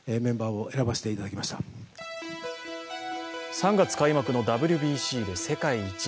３月開幕のＷＢＣで世界一へ。